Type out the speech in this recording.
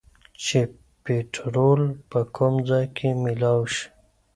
چې پيټرول به کوم ځايې مېلاؤ شي